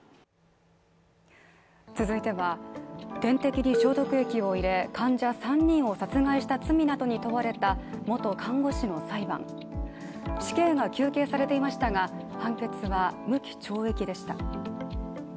続いては点滴に消毒液を入れ、患者３人を殺害した罪などに問われた元看護師の裁判死刑が求刑されていましたが、判決は無期懲役でした。